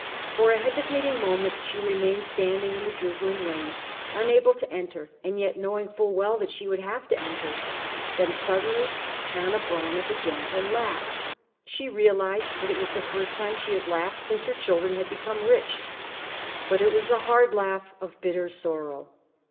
For a hesitating moment she remained standing in the drizzling rain, unable to enter and yet knowing full well that she would have to enter. Then suddenly Hanneh Breineh began to laugh. She realized that it was the first time she had laughed since her children had become rich. But it was the hard laugh of bitter sorrow.